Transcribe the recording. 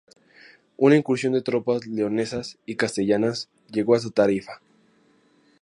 Una incursión de tropas leonesas y castellanas llegó hasta Tarifa.